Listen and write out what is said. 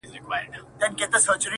چا زر رنگونه پر جهان وپاشل چيري ولاړئ.